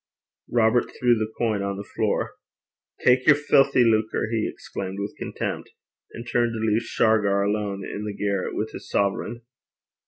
Robert threw the coin on the floor. 'Tak yer filthy lucre!' he exclaimed with contempt, and turned to leave Shargar alone in the garret with his sovereign.